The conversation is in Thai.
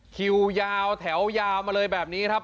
คิวยาวแถวยาวมาเลยแบบนี้ครับ